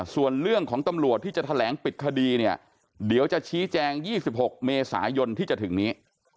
ส่วนเรื่องของตำรวจที่จะแถลงปิดคดีเนี่ยเดี๋ยวจะชี้แจง๒๖เมษายนที่จะถึงนี้